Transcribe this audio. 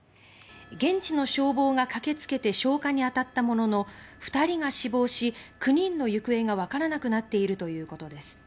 現地の消防が駆け付けて消火に当たったものの２人が死亡し９人の行方が分からなくなっているということです。